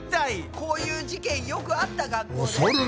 こういう事件よくあった学校で。